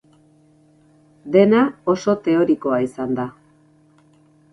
Dena oso teorikoa izan da.